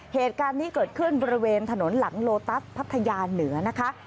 เหตุการณ์นี้เกิดขึ้นบริเวณถนนหลังโลตัสพัทยาเหนือนะคะ